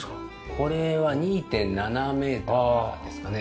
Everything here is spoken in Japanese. これは２．７メーターですかね